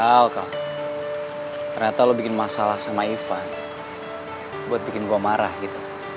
kau kau ternyata lo bikin masalah sama iva buat bikin gua marah gitu